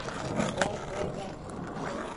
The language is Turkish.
O ve ben…